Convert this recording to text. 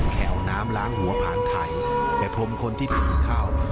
แค่เอาน้ำล้างหัวผ่านไถแต่พรมคนที่ถือเข้า